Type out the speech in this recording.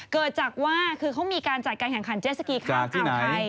เกิดจากว่าคือเค้ามีการจัดการขันเจสสกีคร้างเอาไทย